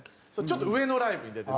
ちょっと上のライブに出てて。